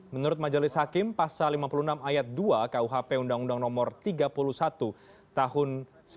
menurut majelis hakim pasal lima puluh enam ayat dua kuhp undang undang nomor tiga puluh satu tahun seribu sembilan ratus sembilan puluh sembilan